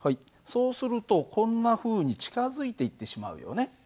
そうするとこんなふうに近づいていってしまうよね。